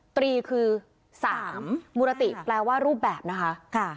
ตรีคือ๓มุรติแปลว่ารูปแบบนะคะ